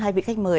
hai vị khách mời